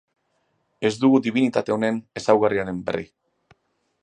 Ez dugu dibinitate honen ezaugarrien berri.